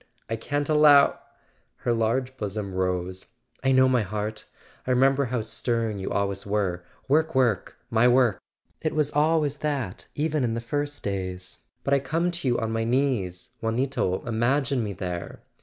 I can't allow " Her large bosom rose. "I know, my heart! I remem¬ ber how stern you always were. 'Work—work—my [386 ] A SON AT THE FRONT work!' It was always that, even in the first days. But I come to you on my knees: Juanito, imagine me there